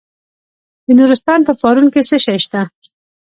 د نورستان په پارون کې څه شی شته؟